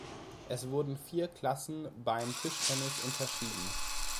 Es wurden vier Klassen beim Tischtennis unterschieden.